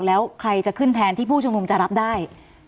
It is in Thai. แล้วใครจะขึ้นแทนที่ผู้ชุมนุมจะรับได้